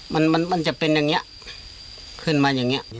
มันจะเป็นอย่างเงี้ยมาขึ้นอย่างเงี้ย